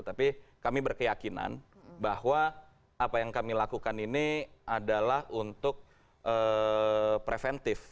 tapi kami berkeyakinan bahwa apa yang kami lakukan ini adalah untuk preventif